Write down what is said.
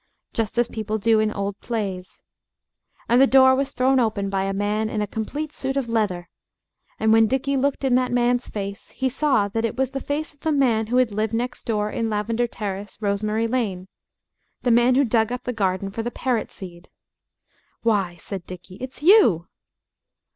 just as people do in old plays. And the door was thrown open by a man in a complete suit of leather, and when Dickie looked in that man's face he saw that it was the face of the man who had lived next door in Lavender Terrace, Rosemary Lane the man who dug up the garden for the parrot seed. "Why," said Dickie, "it's you!"